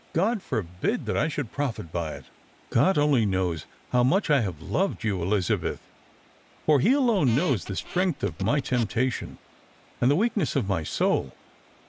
" God forbid that I should profit by it !'[" God only knows how much I have loved you, Elizabeth ; for He alone knows the strength of my temptation, and the weakness of my soul.